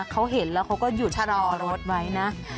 เขาเห็นแล้วเขาก็หยุดชะลอรถไว้นะ